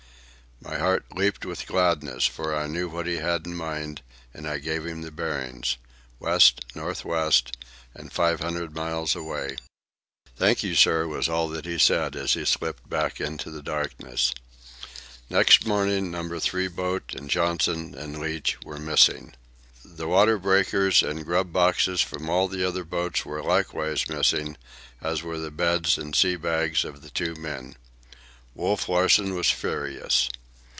My heart leaped with gladness, for I knew what he had in mind, and I gave him the bearings—west north west, and five hundred miles away. "Thank you, sir," was all he said as he slipped back into the darkness. Next morning No. 3 boat and Johnson and Leach were missing. The water breakers and grub boxes from all the other boats were likewise missing, as were the beds and sea bags of the two men. Wolf Larsen was furious.